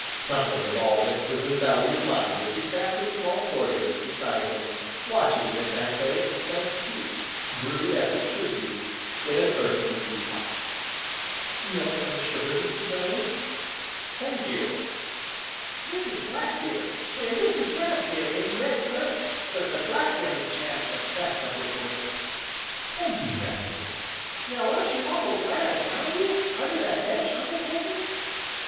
Something of all this was in Bellew's mind as he sat with Small Porges beside him, watching Miss Anthea dispense tea, brewed as it should be, in an earthen tea pot. "Milk and sugar, Mr. Bellew?" "Thank you!" "This is blackberry, an' this is raspberry an' red currant but the blackberry jam's the best, Uncle Porges!" "Thank you, nephew." "Now aren't you awful' glad I found you under that hedge, Uncle Porges?"